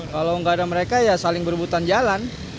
kalau tidak ada mereka ya saling berhubungan jalan